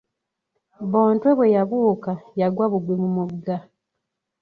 Bontwe bwe yabuuka yagwa bugwi mu mugga.